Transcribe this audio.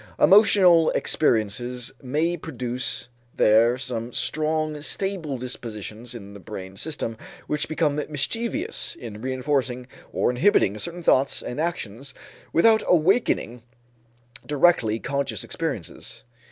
Emotional experiences may produce there some strong stable dispositions in the brain system which become mischievous in reënforcing or inhibiting certain thoughts and actions without awakening directly conscious experiences.